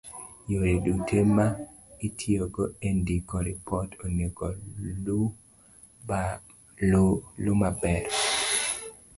yore duto ma itiyogo e ndiko ripot onego lure maber